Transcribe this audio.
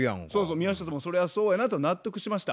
宮下さんもそれはそうやなと納得しました。